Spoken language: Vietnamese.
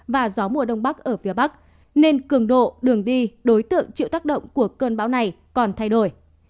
và gió mùa đông bắc ở phía bắc nên cường độ đường đi đối tượng chịu tác động của cơn bão này còn thay đổi